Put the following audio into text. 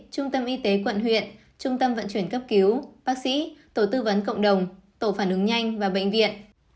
trung tâm y tế quận huyện trung tâm vận chuyển cấp cứu bác sĩ tổ tư vấn cộng đồng tổ phản ứng nhanh và bệnh viện